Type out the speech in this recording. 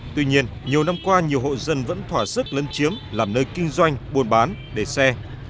tuy nhiên nhiều năm qua nhiều hộ dân vẫn thỏa sức lấn chiếm làm nơi kinh doanh buôn bán để xe